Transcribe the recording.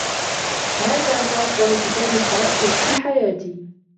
هذا هو أفضل كتاب قرأته في حياتي.